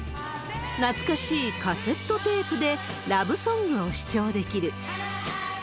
懐かしいカセットテープでラブソングを視聴できる。